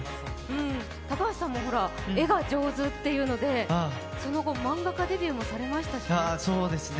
高橋さんも絵が上手っていうので、その後漫画家デビューもされましたけど。